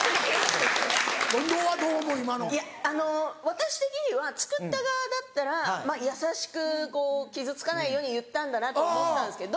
私的には作った側だったら優しくこう傷つかないように言ったんだなと思ったんですけど。